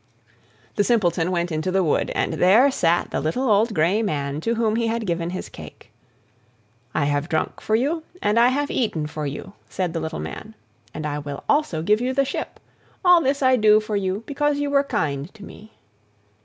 The Simpleton went into the wood, and there sat the little old grey man to whom he had given his cake. "I have drunk for you, and I have eaten for you," said the little man, "and I will also give you the ship; all this I do for you because you were kind to me."